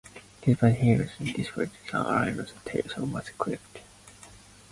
Despite Harrison's disapproval, the Illinois Territory was created.